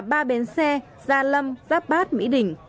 ba bến xe gia lâm giáp bát mỹ đình